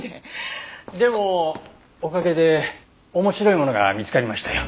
でもおかげで面白いものが見つかりましたよ。